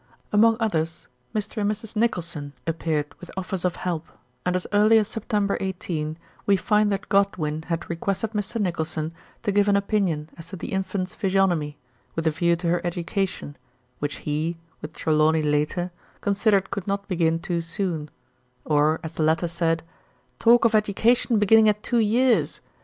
Among others Mr. and Mrs. Nicholson appeared with offers of help, and as early as September 18 we find that Godwin had requested Mr. Nicholson to give an opinion as to the infant's physiognomy, with a view to her education, which he (with Trelawny later) con sidered could not begin too soon, or as the latter said :" Talk of education beginning at two years